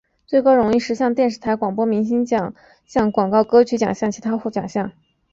最高荣誉奖项十大电视广告演员奖项明星奖项广告歌曲奖项其他奖项